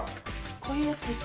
こういうやつですよ